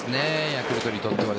ヤクルトにとっては。